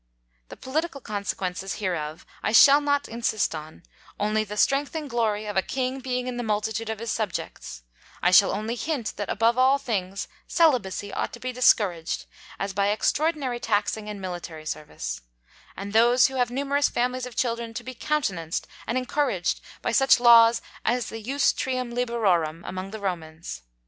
The Political Consequences hereof I shall not insist on; only the Strength and Glory of a King being in the multitude of his Subjects, I shall only hint, that above all things, Celibacy ought to be discouraged, as, by extraordinary Taxing and Military Service: And those who have numerous Families of Children to be countenanced and encouraged by such Laws as the Jus trium Liberorum among the Romans.